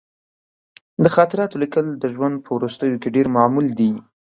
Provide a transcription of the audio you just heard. د خاطراتو لیکل د ژوند په وروستیو کې ډېر معمول دي.